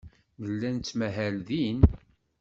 Nella nettmahal din.